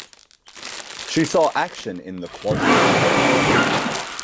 She saw action in the Quasi-War.